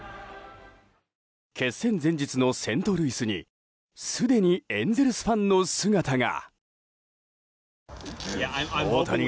決戦前日のセントルイスにすでにエンゼルスファンの姿が。